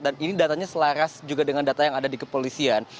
dan ini datanya selaras juga dengan data yang ada di kepolisian